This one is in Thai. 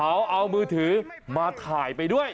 เขาเอามือถือมาถ่ายไปด้วย